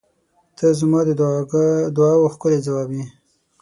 ته زما د دعاوو ښکلی ځواب یې.